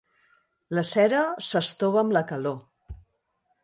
La cera s'estova amb la calor.